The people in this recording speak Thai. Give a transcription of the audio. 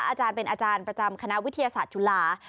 อาจารย์เป็นอาจารย์ประจำคณะวิทยาศาสตร์จุฬา